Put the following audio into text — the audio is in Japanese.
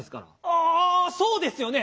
ああそうですよね。